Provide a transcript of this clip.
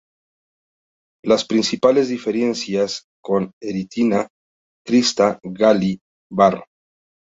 Las principales diferencias con "Erythrina crista-galli" var.